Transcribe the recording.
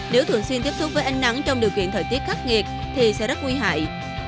nếu thường xuyên tiếp xúc với ánh nắng trong điều kiện thời tiết khắc nghiệt thì sẽ rất nguy hại